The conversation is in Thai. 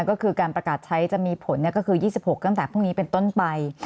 ก็คือการประกาศใช้จะมีผลก็คือ๒๖ตั้งแต่พรุ่งนี้เป็นต้นไป